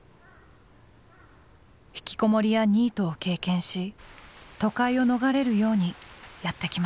引きこもりやニートを経験し都会を逃れるようにやって来ました。